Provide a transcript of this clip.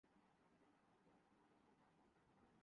sanitizer صرف ہا